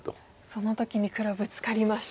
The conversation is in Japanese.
その時に黒ブツカりました。